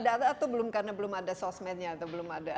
tidak ada atau karena belum ada sosmednya atau belum ada